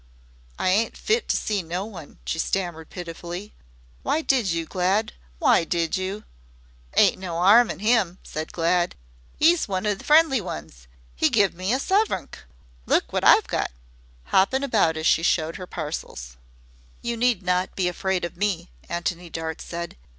"I ain't fit to to see no one," she stammered pitifully. "Why did you, Glad why did you?" "Ain't no 'arm in 'IM," said Glad. "'E's one o' the friendly ones. 'E give me a suvrink. Look wot I've got," hopping about as she showed her parcels. "You need not be afraid of me," Antony Dart said.